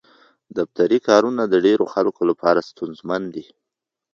دفتري کارونه د ډېرو خلکو لپاره ستونزمن دي.